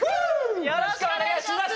よろしくお願いします。